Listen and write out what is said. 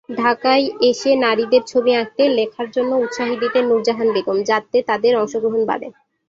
ঢাকায় এসে নারীদের ছবি আঁকতে, লেখার জন্য উৎসাহী দিতেন নূরজাহান বেগম, যাতে তাদের অংশগ্রহণ বাড়ে।